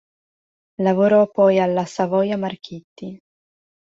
Lavorò poi alla Savoia-Marchetti.